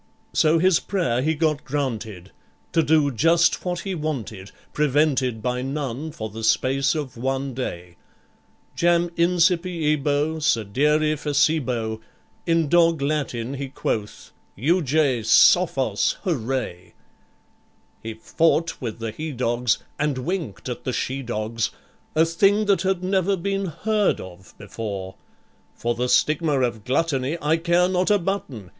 So his prayer he got granted to do just what he wanted, Prevented by none, for the space of one day. "Jam incipiebo , sedere facebo ," In dog Latin he quoth, "Euge! sophos! hurray!" He fought with the he dogs, and winked at the she dogs, A thing that had never been heard of before. "For the stigma of gluttony, I care not a button!"